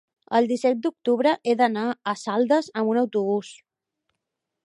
el disset d'octubre he d'anar a Saldes amb autobús.